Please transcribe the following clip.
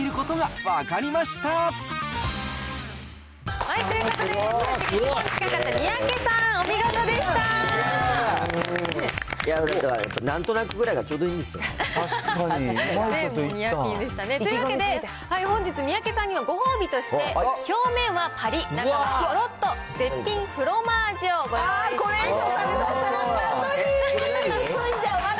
うまいこといった。というわけで、本日、三宅さんにはご褒美として、表面はぱりっ、中はとろっと絶品フロマージュをご用意しました。